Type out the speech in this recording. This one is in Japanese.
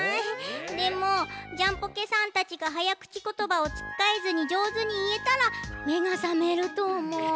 でもジャンポケさんたちがはやくちことばをつっかえずにじょうずにいえたらめがさめるとおもう。